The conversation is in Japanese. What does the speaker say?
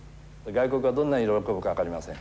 外国がどんなに喜ぶか分かりません。